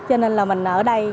cho nên là mình ở đây